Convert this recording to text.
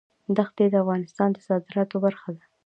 دښتې د افغانستان د صادراتو برخه ده.